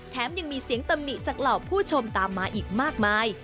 ยังมีเสียงตำหนิจากเหล่าผู้ชมตามมาอีกมากมาย